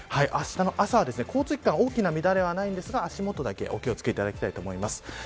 あしたの朝は、交通機関に大きな乱れはないんですが足元だけ、お気を付けいただきたいと思います。